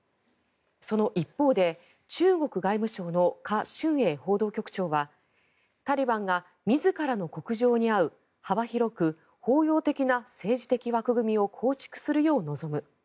その一方で中国外務省のカ・シュンエイ報道局長はタリバンが自らの国情に合う幅広く包容的な政治的枠組みを構築するよう望む。